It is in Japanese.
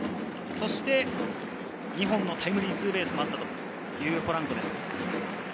そして２本のタイムリーツーベースがあったというポランコです。